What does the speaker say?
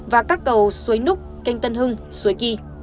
và các cầu xuế núc canh tân hưng xuế kỳ